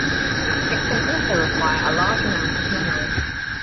It can also require a large amount of memory.